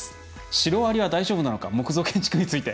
シロアリは大丈夫なのか木造建築について。